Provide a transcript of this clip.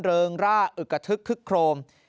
เริงร่าอึกกระทึกคึกโครม